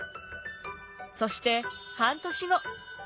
そして半年後。